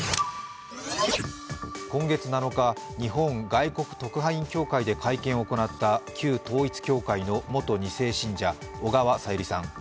今月７日、日本外国特派員協会で会見を行った旧統一教会の元２世信者小川さゆりさん。